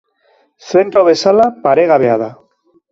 Zentro bezala, paregabea da.